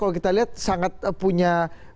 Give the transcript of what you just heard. kalau kita lihat sangat punya